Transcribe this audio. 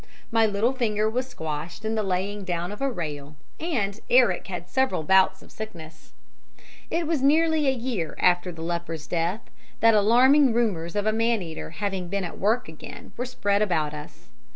"My little finger was squashed in the laying down of a rail, and Eric had several bouts of sickness. "It was nearly a year after the leper's death that alarming rumours of a man eater having been at work again were spread about us.